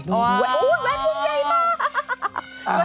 ดูอุ้ยแหวนมนุมใหญ่มาก